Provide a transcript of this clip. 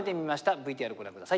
ＶＴＲご覧下さい。